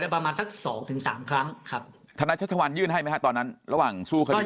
ประมาณสัก๒๓ครั้งครับธนชชวรยื่นให้ไหมฮะตอนนั้นระหว่างสู้คดีแล้วขอ